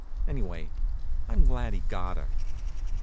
Anyway, I'm glad he got her.